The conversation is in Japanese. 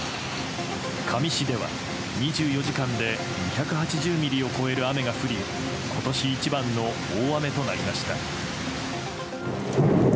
香美市では２４時間で２８０ミリを超える雨が降り今年一番の大雨となりました。